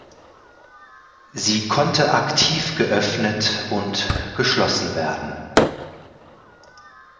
Sie konnte aktiv geöffnet und geschlossen werden.